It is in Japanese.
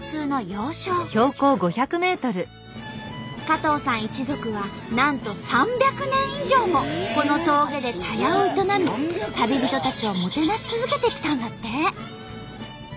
加藤さん一族はなんと３００年以上もこの峠で茶屋を営み旅人たちをもてなし続けてきたんだって。